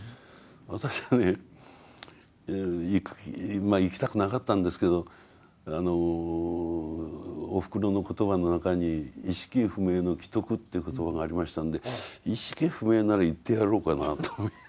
私はねまあ行きたくなかったんですけどおふくろの言葉の中に意識不明の危篤という言葉がありましたんで意識不明なら行ってやろうかなと。